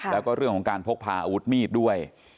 แล้วก็เรื่องของการพกพาอาวุธมีดด้วย